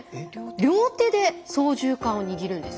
両手で操縦かんを握るんです。